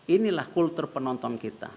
inilah kultur penonton kita